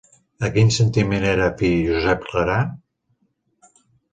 A quin sentiment era afí Josep Clarà?